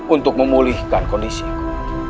untuk memulihkan kondisiku